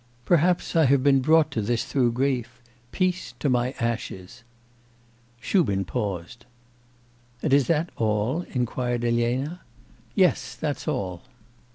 Perhaps I have been brought to this through grief. Peace to my ashes!"' Shubin paused. 'And is that all?' inquired Elena. 'Yes that's all.